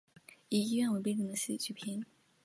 以医院作为背景之喜剧片。